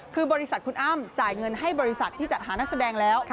คือบริษัทคุณอ้ำจ่ายเงินให้บริษัทที่จัดหานักแสดงแล้ว